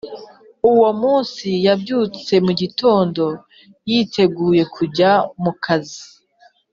uwo munsi yabyutse mu gitondo yitegura kujya mu kazi